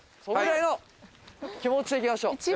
それぐらいの気持ちでいきましょう。